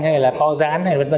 hay là co giãn hay v v